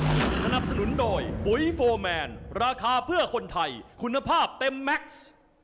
สนับสนุนโดยปุ๋ยโฟร์แมนราคาเพื่อคนไทยคุณภาพเต็มแม็กซ์